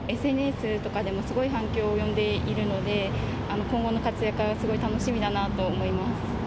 ＳＮＳとかでもすごい反響を呼んでいるので、今後の活躍がすごい楽しみだなと思います。